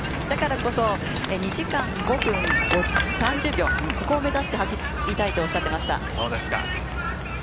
だからこそ２時間５分３０秒、ここを目指して走りたいと言っていました。